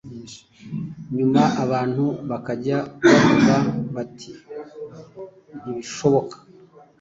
nyuma abantu bakajya bavuga bati ntibishoboka